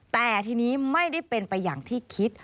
แต่ทีนี้ไม่ได้เป็นไปอย่างที่คิด